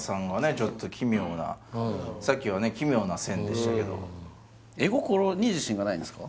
ちょっと奇妙なさっきはね奇妙な線でしたけど絵心に自信がないんですか？